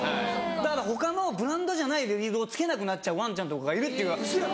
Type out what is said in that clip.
だから他のブランドじゃないリードをつけなくなっちゃうワンちゃんとかがいるっていう。